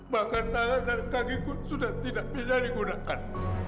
bahkan tangan dan kaki ku sudah tidak bisa digunakan